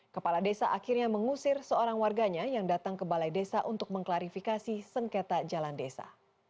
kepala desa akhirnya mengusir seorang warganya yang datang ke balai desa untuk mengklarifikasi sengketa jalan desa